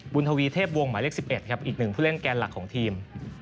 ทวีเทพวงศ์หมายเลข๑๑ครับอีกหนึ่งผู้เล่นแกนหลักของทีม